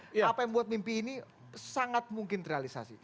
apa yang membuat mimpi ini sangat mungkin terrealisasi